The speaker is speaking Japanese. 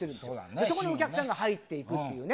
そこにお客さんが入っていくっていう。